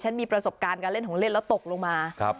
มีประสบการณ์การเล่นของเล่นแล้วตกลงมา